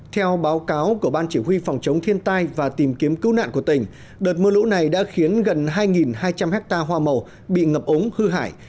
theo báo cáo của ban chỉ huy phòng chống thiên tai và tìm kiếm cứu nạn của tỉnh đợt mưa lũ này đã khiến gần hai hai trăm linh hectare hoa màu bị ngập ống hư hại